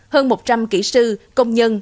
hơn một trăm linh kỹ sư công nhân